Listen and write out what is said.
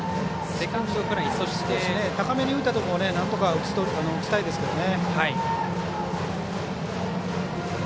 高めに浮いたところをなんとか打ちたいですよね。